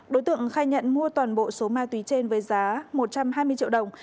đối tượng khai nhận mua toàn bộ số ma túy trên với giá một trăm hai mươi triệu đồng